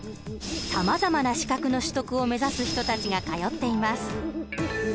さまざまな資格の取得を目指す人たちが通っています。